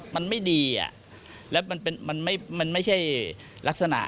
มันไม่ดีแล้วมันไม่ใช่ลักษณะ